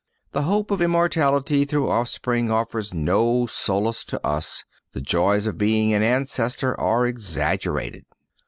The hope of immortality through offspring offers no solace to us. The joys of being an ancestor are exaggerated.